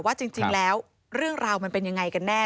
ว่าจริงแล้วเรื่องราวมันเป็นยังไงกันแน่